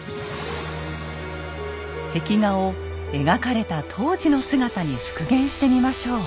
壁画を描かれた当時の姿に復元してみましょう。